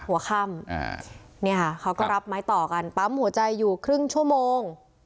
หัวค่ำเนี่ยค่ะเขาก็รับไม้ต่อกันปั๊มหัวใจอยู่ครึ่งชั่วโมง